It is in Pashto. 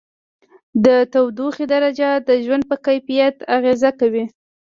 د تودوخې درجه د ژوند په کیفیت اغېزه کوي.